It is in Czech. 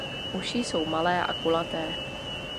Uši jsou malé a kulaté.